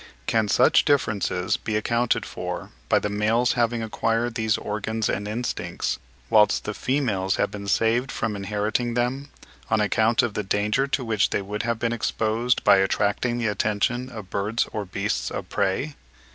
Can such differences be accounted for by the males having acquired these organs and instincts, whilst the females have been saved from inheriting them, on account of the danger to which they would have been exposed by attracting the attention of birds or beasts of prey?